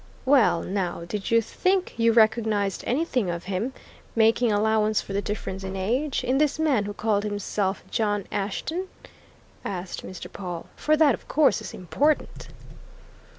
"Well, now, did you think you recognized anything of him making allowance for the difference in age in this man who called himself John Ashton?" asked Mr. Pawle. "For that, of course, is important!"